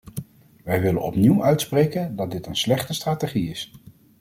Wij willen opnieuw uitspreken dat dit een slechte strategie is.